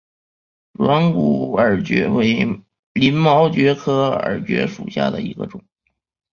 软骨耳蕨为鳞毛蕨科耳蕨属下的一个种。